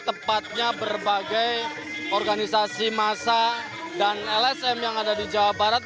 tepatnya berbagai organisasi masa dan lsm yang ada di jawa barat